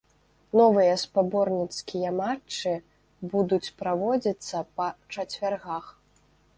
Новыя спаборніцкія матчы будуць праводзіцца па чацвяргах.